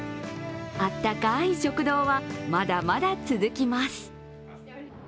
あったかい食堂はまだまだ続きます。